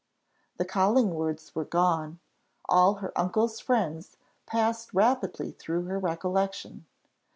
The Collingwoods were gone; all her uncle's friends passed rapidly through her recollection.